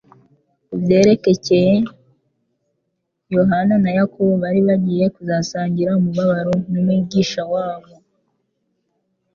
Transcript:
Ku byerekcye Yohana na Yakobo bari bagiye kuzasangira umubabaro n'Umwigisha wabo,